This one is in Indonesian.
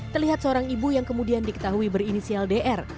terlihat seorang ibu yang kemudian diketahui berinisial dr